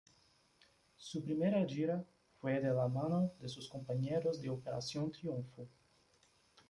Su primera gira fue de la mano de sus compañeros de "Operación Triunfo".